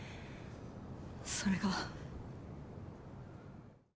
それが。